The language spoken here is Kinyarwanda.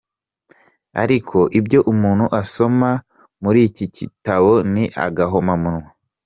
Ariko ibyo umuntu asoma muri iki gitabo ni agahomamunwa.